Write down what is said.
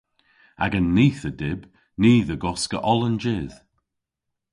Agan nith a dyb ni dhe goska oll an jydh.